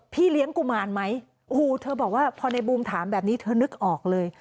พี่เลี้ยงกุมารไหมโอ้โหเธอบอกว่าพอในบูมถามแบบนี้เธอนึกออกเลย